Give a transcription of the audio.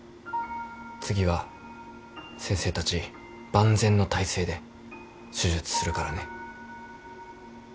次は先生たち万全の体制で手術するからね。